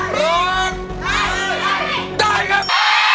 ร้องได้ครับ